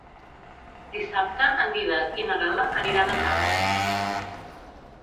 Dissabte en Dídac i na Gal·la aniran a Tales.